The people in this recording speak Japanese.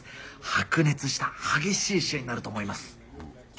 白熱した激しい試合になると思います。